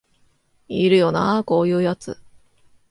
いるよなこういうやつ